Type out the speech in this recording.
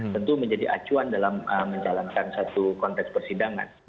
tentu menjadi acuan dalam menjalankan satu konteks persidangan